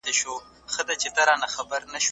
د لمر وړانګو د ونو تر منځ یو ښکلی انځور جوړ کړی و.